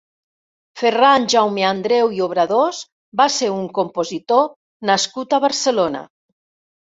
Ferran Jaumeandreu i Obradors va ser un compositor nascut a Barcelona.